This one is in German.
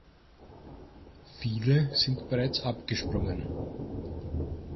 Viele sind bereits abgesprungen.